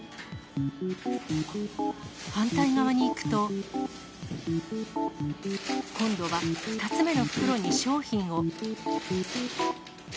反対側に行くと、今度は２つ目の袋に商品を。